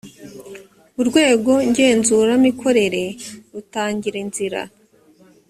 urwego ngenzuramikorere rutangira inzira